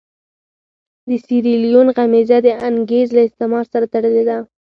د سیریلیون غمیزه د انګرېز له استعمار سره تړلې ده.